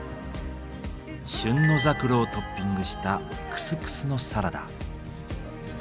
旬のザクロをトッピングしたクスクスのサラダ。